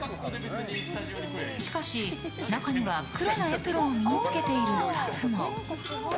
しかし中には、黒のエプロンを身に着けているスタッフも。